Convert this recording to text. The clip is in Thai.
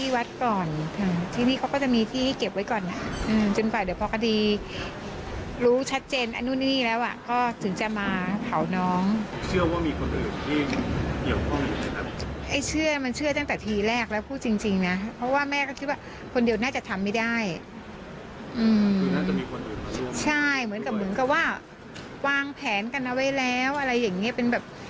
วางแผนกันเอาไว้แล้วอะไรอย่างเงี้ยเป็นแบบ